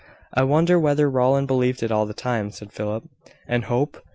"I wonder whether Rowland believed it all the time," said Philip: "and Hope?